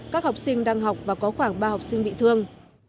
các học sinh đang học và có khoảng ba học sinh bị thương